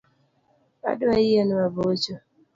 Adwa yien mabocho